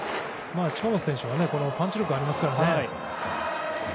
近本選手はパンチ力がありますからね。